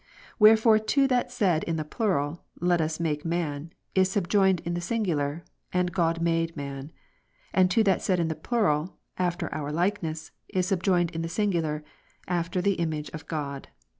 Wherefore to that said in the plural. Let us make man, is yet subjoined in the singular. And God made Gen. 1, man : and to that said in the plural. After our likeness, is subjoined in the singular, After the image of God.